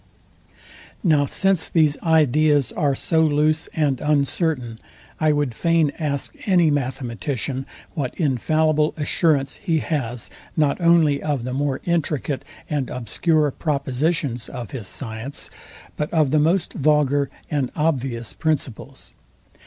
Now since these ideas are so loose and uncertain, I would fain ask any mathematician what infallible assurance he has, not only of the more intricate, and obscure propositions of his science, but of the most vulgar and obvious principles?